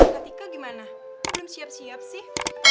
kak tika gimana belum siap siap sih